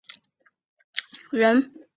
郗恢人。